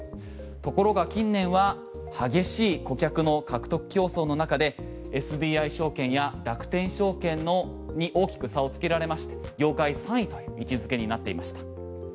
ところが近年は激しい顧客の獲得競争の中でＳＢＩ証券や楽天証券に大きく差をつけられまして業界３位という位置付けになっていました。